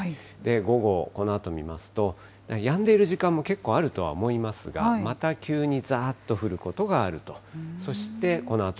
午後、このあと見ますと、やんでいる時間も結構あるとは思いますが、また急にざーっと降ることがあると。